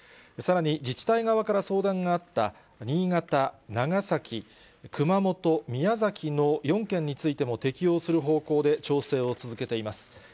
さらに自治体側から相談があった、新潟、長崎、熊本、宮崎の４県についても、適用する方向で調整を続けています。